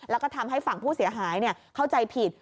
แล้วก็ทำให้ฝั่งผู้เสียหายเข้าใจผิด